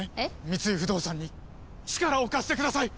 三井不動産に力を貸してください！